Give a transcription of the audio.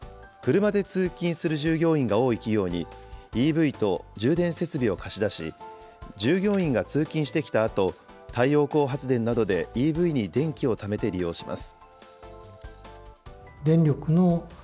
車で通勤する従業員が多い企業に、ＥＶと充電設備を貸し出し、従業員が通勤してきたあと、太陽光発電などでＥＶに電気をためて利用します。